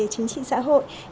chính trị xã hội